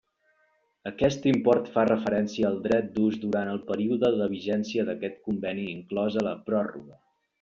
Aquest import fa referència al dret d'ús durant el període de vigència d'aquest conveni inclosa la pròrroga.